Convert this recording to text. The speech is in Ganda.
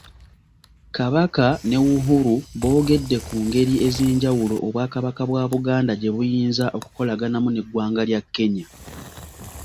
Kabaka ne Uhuru boogedde ku ngeri ezenjawulo Obwakabaka bwa Buganda gye buyinza okukolagana n’Eggwanga lya Kenya.